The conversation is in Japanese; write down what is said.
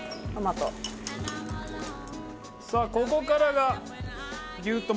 さあここからが。